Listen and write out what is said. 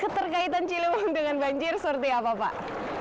keterkaitan ciliwung dengan banjir seperti apa pak